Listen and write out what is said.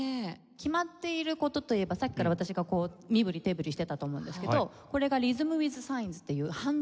決まっている事といえばさっきから私がこう身ぶり手ぶりしていたと思うんですけどこれがリズム・ウィズ・サインズっていうハンドサインなんです。